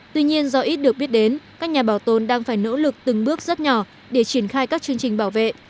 tuy nhiên do ít được biết đến các nhà bảo tồn đang phải nỗ lực từng bước rất nhỏ để triển khai các chương trình bảo vệ